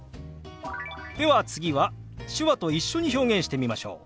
では次は手話と一緒に表現してみましょう。